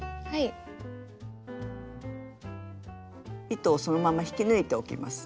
糸をそのまま引き抜いておきます。